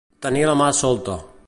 Tenir la mà solta.